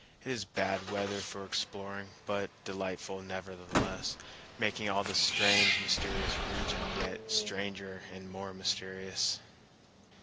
It is bad weather for exploring but delightful nevertheless, making all the strange, mysterious region yet stranger and more mysterious.